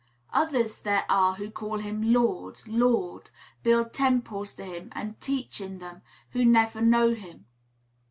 Others there are who call him "Lord, Lord," build temples to him and teach in them, who never know him.